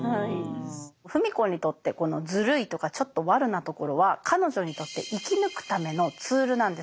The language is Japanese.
芙美子にとってこのズルいとかちょっとワルなところは彼女にとって生き抜くためのツールなんです。